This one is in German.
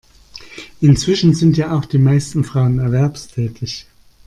Inzwischen sind ja auch die meisten Frauen erwerbstätig.